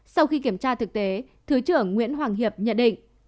sau khi kiểm tra thực tế thứ trưởng nguyễn hoàng hiệp nhận định